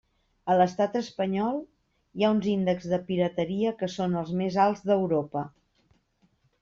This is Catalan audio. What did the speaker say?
A l'estat espanyol hi ha uns índexs de pirateria que són els més alts d'Europa.